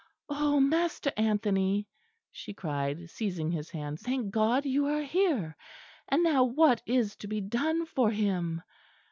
"Oh, Master Anthony," she cried, seizing his hand, "thank God you are here. And now what is to be done for him?"